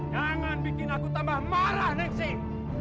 jangan bikin aku tambah marah nexing